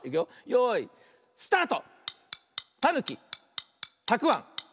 よいスタート！